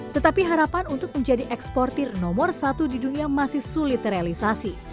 tetapi harapan untuk menjadi eksportir nomor satu di dunia masih sulit terrealisasi